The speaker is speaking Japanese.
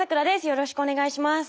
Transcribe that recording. よろしくお願いします。